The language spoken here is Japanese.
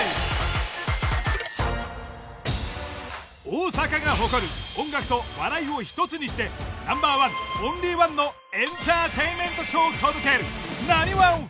大阪が誇る音楽と笑いをひとつにしてナンバーワンオンリーワンのエンターテインメントショーを届ける「なにわんＦＥＳ」。